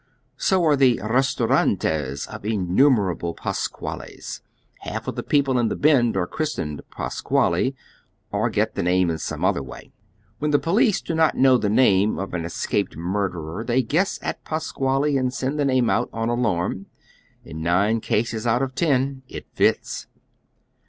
So are the " ristorantes " of innumerable Pasquales ; half of the people in " the Bond " are christened Pasquale, or get the name in some other way. "When the police do not know tlig name of an escaped murderer, they guess at Pasquale and send the name out on alarm ; in nine cases ont of ten it fits.